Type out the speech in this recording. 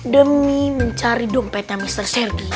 demi mencari dompetnya mr sergi